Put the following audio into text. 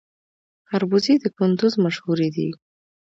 خربوزې د کندز مشهورې دي